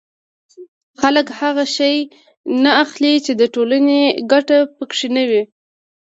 خلک هغه شی نه اخلي چې د ټولنې ګټه پکې نه وي